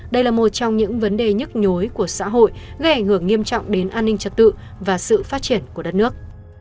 đây là một trong những vấn đề nhức nhối của xã hội gây ảnh hưởng nghiêm trọng đến an ninh trật tự và sự phát triển của đất nước